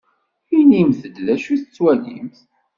Inimt-d d acu tettwalimt.